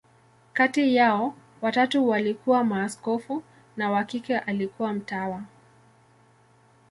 Kati yao, watatu walikuwa maaskofu, na wa kike alikuwa mtawa.